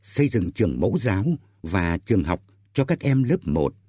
xây dựng trường mẫu giáo và trường học cho các em lớp một